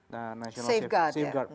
national safeguard ya